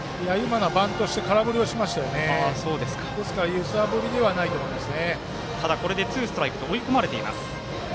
バントして空振りしましたのでですから、揺さぶりではないと思います。